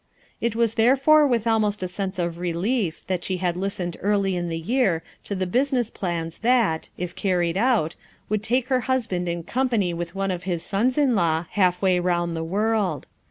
It was therefore with almost a sense of re lief that she had listened early in the year to the business plans that, if carried out, would take her husband in company with one of his sons in law half way round the world.